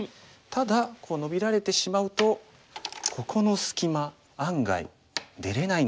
ただノビられてしまうとここの隙間案外出れないんですよね。